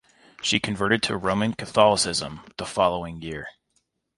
She converted to Roman Catholicism the following year.